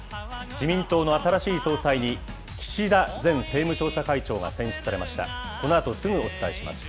自民党の新しい総裁に、岸田前政務調査会長が選出されました。